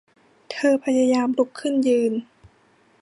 เธอพยายามลุกขึ้นยืน